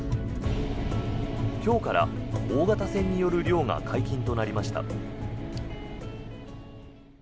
今日から大型船による漁が解禁となりました。